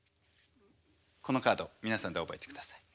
このカード皆さんで覚えてください。